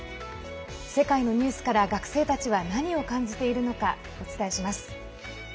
世界のニュースから学生たちは何を感じているのかお伝えします。